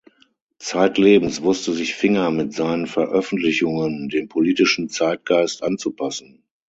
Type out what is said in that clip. Zeitlebens wusste sich Finger mit seinen Veröffentlichungen dem politischen Zeitgeist anzupassen.